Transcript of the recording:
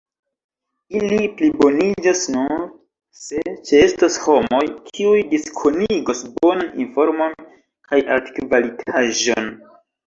Ili pliboniĝos nur, se ĉeestos homoj kiuj diskonigos bonan informon kaj altkvalitaĵon.